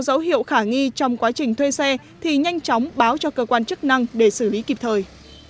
dấu hiệu khả nghi trong quá trình thuê xe thì nhanh chóng báo cho cơ quan chức năng để xử lý kịp thời